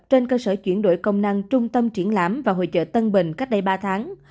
trên cơ sở chuyển đổi công năng trung tâm triển lãm và hội chợ tân bình cách đây ba tháng